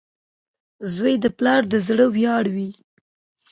• زوی د پلار د زړۀ ویاړ وي.